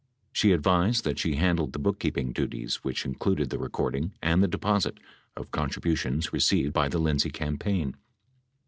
She advised that she handled the bookkeeping duties which included the recording and the deposit of contributions received .by the Lindsay campaign.